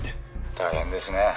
大変ですね。